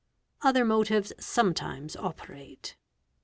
Other motives sometimes operate.